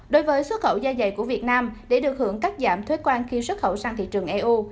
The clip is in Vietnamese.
đối với xuất khẩu da dày của việt nam để được hưởng cắt giảm thuế quan khi xuất khẩu sang thị trường eu